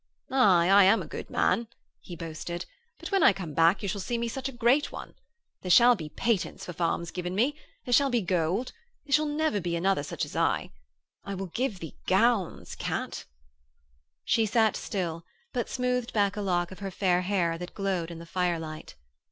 'Aye, I am a good man,' he boasted, 'but when I come back you shall see me a great one. There shall be patents for farms given me. There shall be gold. There shall be never such another as I. I will give thee such gowns, Kat.' She sat still, but smoothed back a lock of her fair hair that glowed in the firelight.